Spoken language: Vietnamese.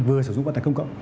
vừa sử dụng vận tải công cộng